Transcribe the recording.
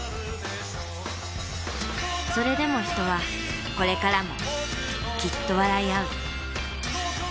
それでも人はこれからもきっと笑いあう。